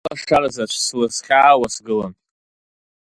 Сылашара заҵә слызхьаауа сгылан.